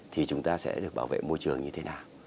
thì chúng ta sẽ được bảo vệ môi trường như thế nào